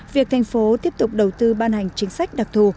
việc thành phố tiếp tục đầu tư ban hành chính sách đặc thù